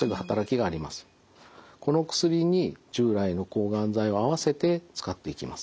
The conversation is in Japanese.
この薬に従来の抗がん剤を合わせて使っていきます。